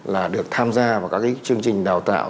là được tham gia vào các cái chương trình đào tạo